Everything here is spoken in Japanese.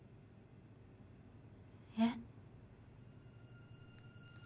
えっ。